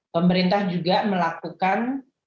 pemerintah juga melakukan